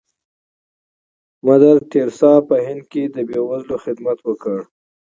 مدر ټریسا په هند کې د بې وزلو خدمت وکړ.